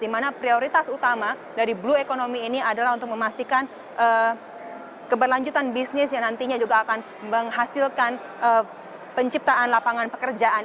dimana prioritas utama dari blue economy ini adalah untuk memastikan keberlanjutan bisnis yang nantinya juga akan menghasilkan penciptaan lapangan pekerjaan